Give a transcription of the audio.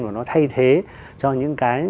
và nó thay thế cho những cái